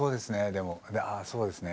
でもあそうですね。